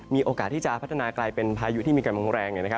มีโอกาสที่จะพัฒนากลายเป็นพายุที่มีกำลังแรง